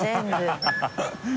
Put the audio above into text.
ハハハ